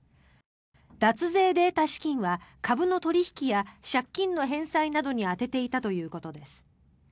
脱税で得た資金は株の取引や借金の返済などに充てていたということです。